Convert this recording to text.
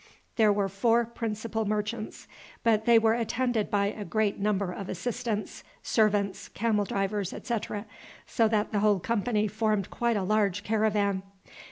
There were four principal merchants, but they were attended by a great number of assistants, servants, camel drivers, etc., so that the whole company formed quite a large caravan.